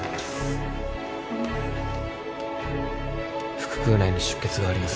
腹腔内に出血があります。